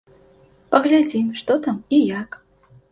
Паглядзім, што там і як.